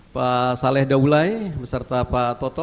pak saleh daulai beserta pak toto